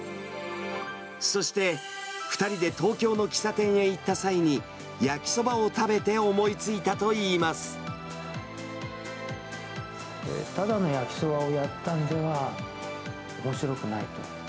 そして、２人で東京の喫茶店へ行った際に、焼きそばを食べて思いただの焼きそばをやったんでは、おもしろくないと。